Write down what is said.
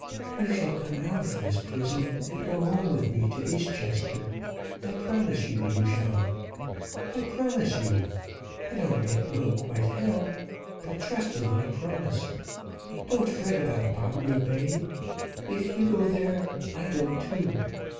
"You shall come out of this prison, and go home with me to East Chester; I promise you you shall. I promise you. I don't yet quite know how, but trust in my promise. Don't fret about Botany Bay. If you go there, I go too.